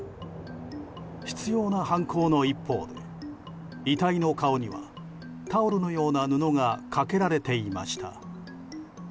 執拗な犯行の一方で遺体の顔にはタオルのような布がかけられていました。